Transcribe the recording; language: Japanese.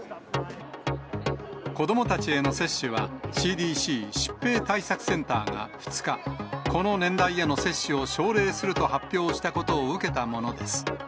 子どもたちへの接種は、ＣＤＣ・疾病対策センターが２日、この年代への接種を奨励すると発表したことを受けたものです。